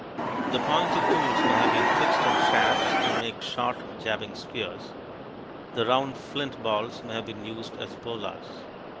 The pointed tools may have been fixed on shafts to make short jabbing spears; the round flint balls may have been used as bolas.